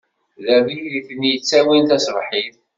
D abrid i ten-yettawin tasebḥit.